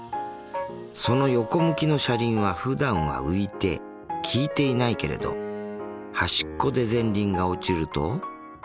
その横向きの車輪はふだんは浮いて利いていないけれど端っこで前輪が落ちると。